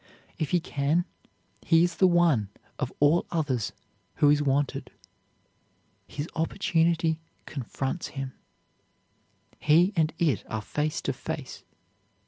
If he can, he is the one of all others who is wanted. His opportunity confronts him. He and it are face to face.